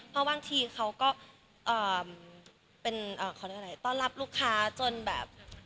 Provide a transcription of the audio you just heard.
เพราะบางทีเขาก็เป็นต้อนรับลูกค้าจนแบบ